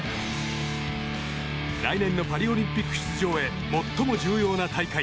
来年のパリオリンピック出場へ最も重要な大会。